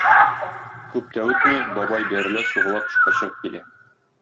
Күп тә үтми, бабай бәрелә-сугыла тышка чыгып килә.